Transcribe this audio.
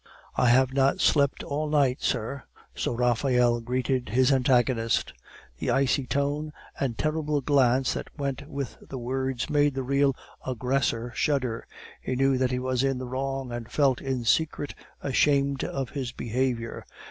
"I have not slept all night, sir;" so Raphael greeted his antagonist. The icy tone and terrible glance that went with the words made the real aggressor shudder; he know that he was in the wrong, and felt in secret ashamed of his behavior.